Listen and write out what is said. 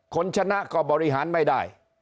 คนชนะก็บริหารไม่ได้